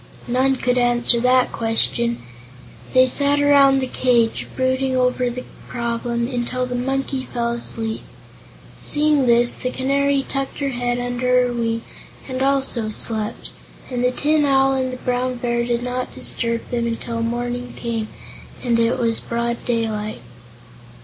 None could answer that question. They sat around the cage, brooding over the problem, until the Monkey fell asleep. Seeing this, the Canary tucked her head under her wing and also slept, and the Tin Owl and the Brown Bear did not disturb them until morning came and it was broad daylight.